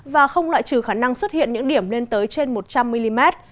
và không loại trừ khả năng xuất hiện những điểm lên tới trên một trăm linh mm